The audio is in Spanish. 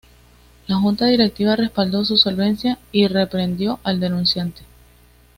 La Junta Directiva respaldó su solvencia y reprendió al denunciante.